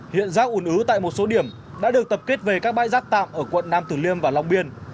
hiện rác ủn ứ tại một số điểm đã được tập kết về các bãi rác tạm ở quận nam tử liêm và long biên